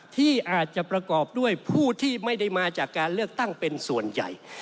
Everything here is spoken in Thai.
ที่อาจจะประกอบด้วยผู้ที่ไม่ได้มาจากการเลือกตั้งเป็นส่วนใหญ่